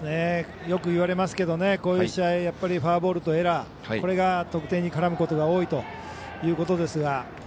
よく言われますけどこういう試合、やっぱりフォアボールとエラーこれが得点に絡むことが多いということですが。